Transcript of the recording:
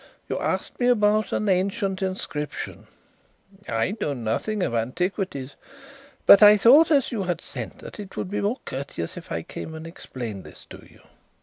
You asked me about an ancient inscription. I know nothing of antiquities; but I thought, as you had sent, that it would be more courteous if I came and explained this to you."